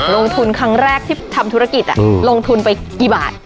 ลงทุนครั้งแรกที่ทำธุรกิจลงทุนไปกี่บาท